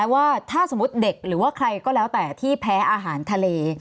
ว่าถ้าสมมุติเด็กหรือว่าใครก็แล้วแต่ที่แพ้อาหารทะเล